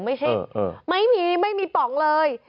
ไม่ใช่ไม่มีไม่มีป๋องเลย